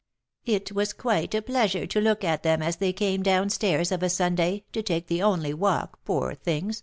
It was quite a pleasure to look at them as they came down stairs of a Sunday to take the only walk, poor things!